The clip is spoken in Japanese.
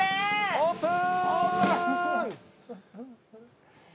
オープン！